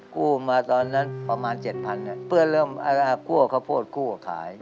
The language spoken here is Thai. กู้มาตอนนั้นประมาณ๗๐๐๐บาทเนี่ยเพื่อนเริ่มกู้กับข้าวโพดกู้กับขาย